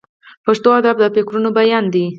پښتو ادب د فکرونو بیان دی.